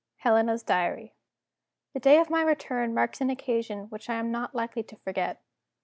HELENA'S DIARY. The day of my return marks an occasion which I am not likely to forget.